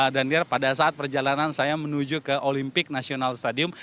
dan pada saat perjalanan saya menuju ke olimpik national stadium